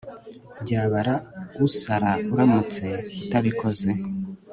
byabara usara uramutse utabikoze